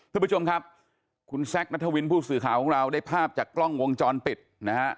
คุณผู้ชมครับคุณแซคนัทวินผู้สื่อข่าวของเราได้ภาพจากกล้องวงจรปิดนะฮะ